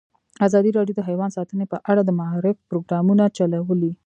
ازادي راډیو د حیوان ساتنه په اړه د معارفې پروګرامونه چلولي.